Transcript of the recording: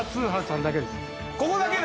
ここだけね！